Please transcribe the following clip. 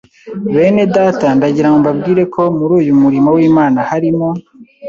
benedata ndagirango mbabwire ko muri uyu murimo w’Imana harimo